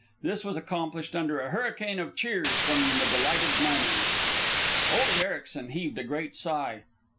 This was accomplished under a hurricane of cheers from the delighted miners. Ole Ericsen heaved a great sigh.